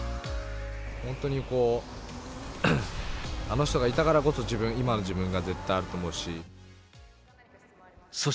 本当に、あの人がいたからこそ、自分、今の自分が絶対あると思うし。